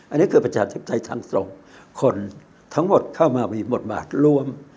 อันนี้คือประชาติปไจทางส่งคนทั้งหมดเข้ามามีหมดบาทร่วม